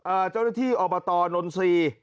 เอ่อเจ้าหน้าที่อบตนนซี